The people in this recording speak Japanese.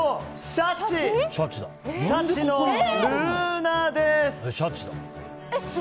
シャチのルーナです！